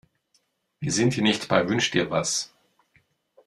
Wir sind hier nicht bei Wünsch-dir-was.